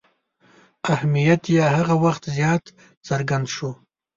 اهمیت یې هغه وخت زیات څرګند شو.